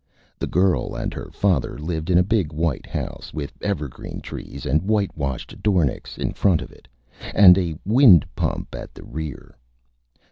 The Girl and her Father lived in a big White House, with Evergreen Trees and whitewashed Dornicks in front of it, and a Wind Pump at the rear.